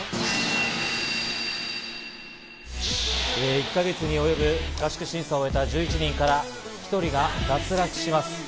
１か月に及ぶ合宿審査を終えた１１人から１人が脱落します。